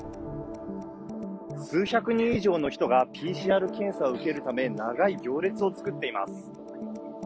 数百人以上の人がＰＣＲ検査を受けるため、長い行列を作っています。